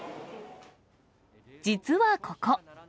実はここ。